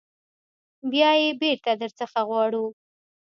بیا یې بیرته در څخه غواړو.